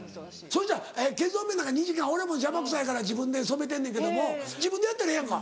そしたら毛染めなんか２時間俺も邪魔くさいから自分で染めてんねんけども自分でやったらええやんか。